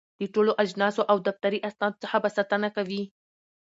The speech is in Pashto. د ټولو اجناسو او دفتري اسنادو څخه به ساتنه کوي.